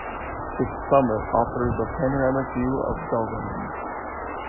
Its summit offers a panoramic view of Guilin.